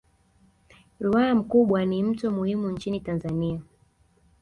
Ruaha Mkubwa ni mto muhimu nchini Tanzania